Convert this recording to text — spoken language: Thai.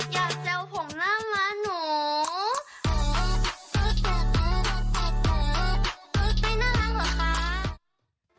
อย่าแซวผมหน้าม้าหนู